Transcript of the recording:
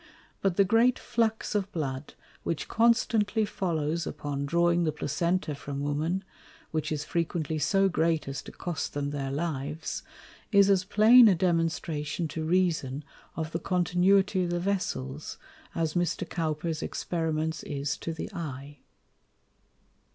But the great Flux of Blood, which constantly follows upon drawing the Placenta from Women (which is frequently so great as to cost them their Lives) is as plain a demonstration to Reason of the Continuity of the Vessels, as Mr. Cowper's Experiments is to the Eye.